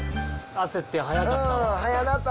焦って早かった。